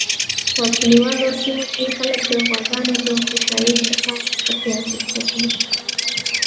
په کلیوالو سیمو کی خلک د غواګانو د خوشایی څخه څپیاکی تپی